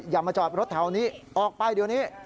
อย่ามาจอดรถแถวนี้ออกไปเดี๋ยวนี้